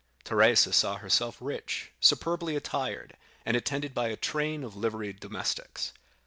Teresa saw herself rich, superbly attired, and attended by a train of liveried domestics.